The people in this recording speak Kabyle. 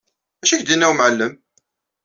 D acu i k-d-yenna umɛellem?